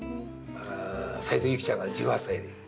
斉藤由貴ちゃんが１８歳で。